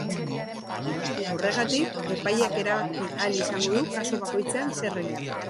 Horregatik, epaileak erabaki ahal izango du kasu bakoitzean zer egin.